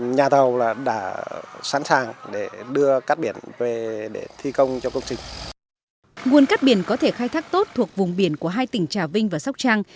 nguồn cắt biển có thể khai thác tốt thuộc vùng biển của hai tỉnh trà vinh và sóc trăng